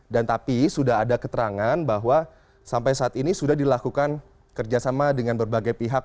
dan tapi sudah ada keterangan bahwa sampai saat ini sudah dilakukan kerjasama dengan berbagai pihak